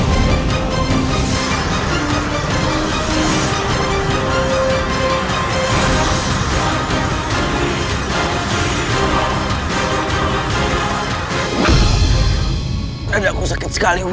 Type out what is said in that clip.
saya adalah menoserek agama baru